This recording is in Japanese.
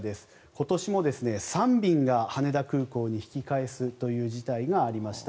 今年も３便が羽田空港に引き返すという事態がありました。